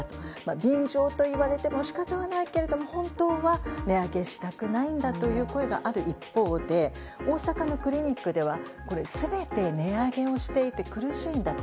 便乗と言われても仕方がないけれども本当は値上げしたくないんだという声がある一方で大阪のクリニックでは全て値上げをしていて苦しいんだと。